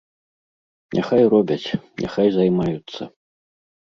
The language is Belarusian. Няхай робяць, няхай займаюцца.